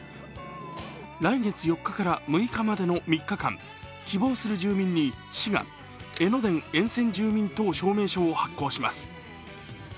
来月４日から６日までの３日間、希望する住民に市が江ノ電沿線住民等証明書を発行します。